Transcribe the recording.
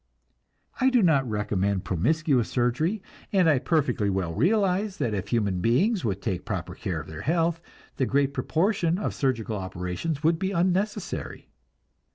I do not recommend promiscuous surgery, and I perfectly well realize that if human beings would take proper care of their health, the great proportion of surgical operations would be unnecessary.